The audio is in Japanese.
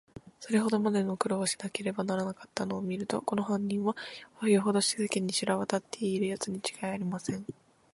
それほどまでの苦労をしなければならなかったのをみると、この犯人は、よほど世間に知れわたっているやつにちがいありません。